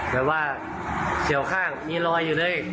แบบว่าเฉียวข้างมีรอยอยู่เลย